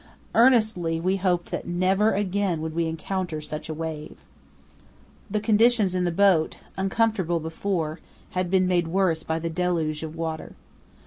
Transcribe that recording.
Earnestly we hoped that never again would we encounter such a wave. The conditions in the boat, uncomfortable before, had been made worse by the deluge of water.